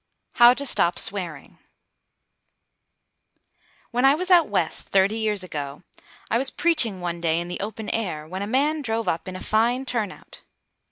HOW TO STOP SWEARING When I was out West thirty years ago I was preaching one day in the open air when a man drove up in a fine turnout.